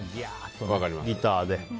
ギターで。